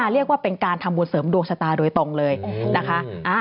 เรียกว่าเป็นการทำบุญเสริมดวงชะตาโดยตรงเลยนะคะ